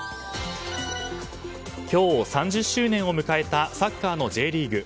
今日、３０周年を迎えたサッカーのＪリーグ。